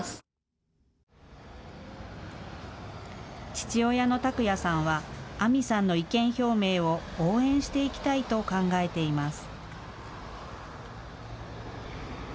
父親の琢哉さんは杏美さんの意見表明を応援していきたいと考えています。